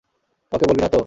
কাউকে বলবি না-তো?